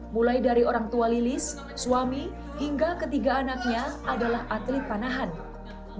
mulai dari orang tua lilis suami hingga ketiga anaknya adalah atlet panahan